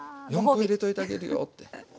４コ入れといてあげるよって。